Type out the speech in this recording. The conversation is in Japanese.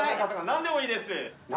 なんでもいいです。